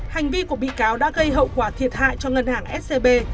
hành vi của bị cáo đã gây hậu quả thiệt hại cho ngân hàng scb